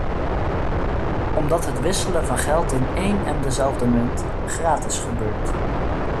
Omdat het wisselen van geld in één en dezelfde munt gratis gebeurt.